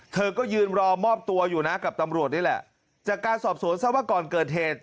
เธอก็ยืนรอมอบตัวอยู่นะกับตำรวจนี่แหละจากการสอบสวนทราบว่าก่อนเกิดเหตุ